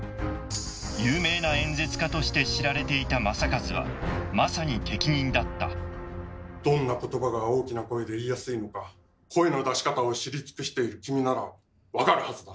有名な演説家として知られていた正一はまさに適任だったどんなことばが大きな声で言いやすいのか声の出し方を知り尽くしている君なら分かるはずだ。